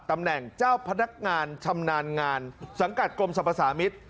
ตำแหน่งเจ้าพนักงานชำนาญงานสังกัดกรมสรรพสามิตร